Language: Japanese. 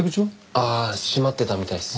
ああ締まってたみたいです。